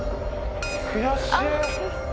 悔しい。